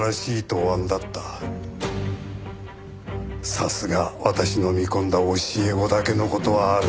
さすが私の見込んだ教え子だけの事はある。